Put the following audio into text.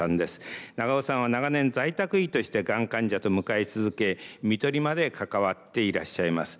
長尾さんは長年在宅医としてがん患者と向かい続け看取りまで関わっていらっしゃいます。